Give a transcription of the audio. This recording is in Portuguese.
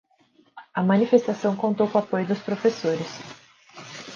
A manifestação contou com apoio dos professores